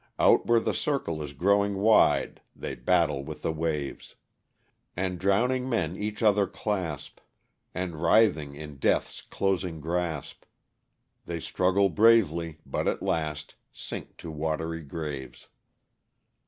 Out where the circle is growing wide. They battle with the waves. And drowning men each other clasp. And wi itliing in death's closing grasp They struggle bravely, but at last Sink to watery graves.